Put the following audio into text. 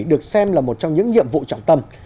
được xem là một trong những nhiệm vụ trọng tâm